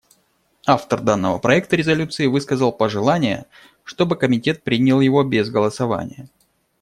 Автор данного проекта резолюции высказал пожелание, чтобы Комитет принял его без голосования.